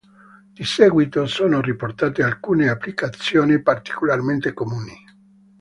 Di seguito sono riportate alcune applicazioni particolarmente comuni.